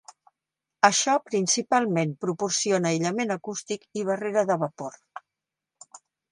Això principalment proporciona aïllament acústic i barrera de vapor.